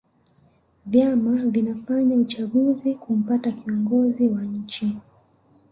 vyama vinafanya uchaguzi kumpata kiongozi wa nchi